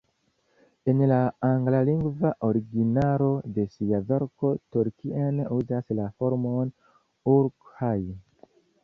En la anglalingva originalo de sia verko Tolkien uzas la formon "uruk-hai".